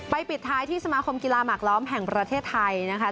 ปิดท้ายที่สมาคมกีฬาหมากล้อมแห่งประเทศไทยนะคะ